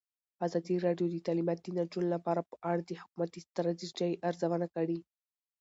ازادي راډیو د تعلیمات د نجونو لپاره په اړه د حکومتي ستراتیژۍ ارزونه کړې.